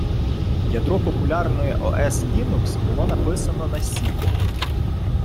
Ядро популярної ОС Linux було написане на Сі.